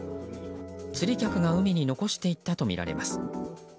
釣り客が海に残していったとみられます。